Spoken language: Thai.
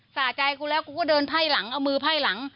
สะใจกูแล้วกูก็เดินไพ่หลังเอามือไพ่หลัง